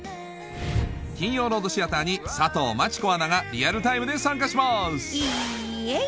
金曜ロードシアターに佐藤真知子アナがリアルタイムで参加しますイイェイ！